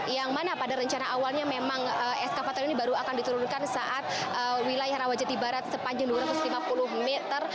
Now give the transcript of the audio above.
yang mana pada rencana awalnya memang eskavator ini baru akan diturunkan saat wilayah rawajati barat sepanjang dua ratus lima puluh meter